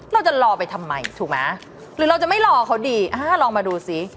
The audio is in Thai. เราจะรอไปทำไมถูกไหมหรือเราจะไม่รอเขาดีอ่าลองมาดูสิ